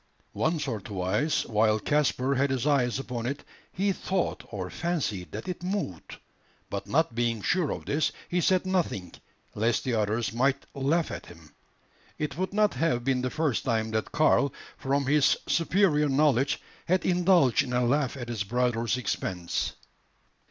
Once or twice, while Caspar had his eyes upon it, he thought or fancied that it moved; but not being sure of this, he said nothing, lest the others might laugh at him. It would not have been the first time that Karl, from his superior knowledge, had indulged in a laugh at his brother's expense.